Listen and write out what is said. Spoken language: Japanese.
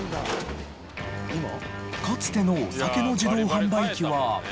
かつてのお酒の自動販売機は。